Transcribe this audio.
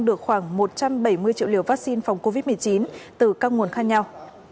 được khoảng một trăm bảy mươi triệu liều vaccine phòng covid một mươi chín từ các nguồn khác nhau